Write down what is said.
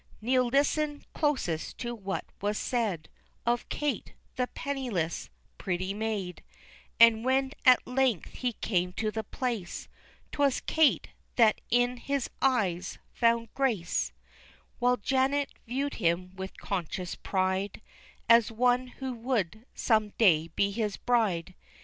Neil listened closest to what was said Of Kate, the penniless, pretty maid, And when at length he came to the place 'Twas Kate that in his eyes found grace, While Janet viewed him with conscious pride, As one who would some day be his bride.